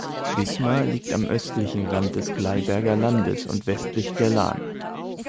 Wißmar liegt am östlichen Rand des Gleiberger Landes und westlich der Lahn.